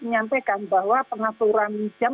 menyampaikan bahwa pengaturan jam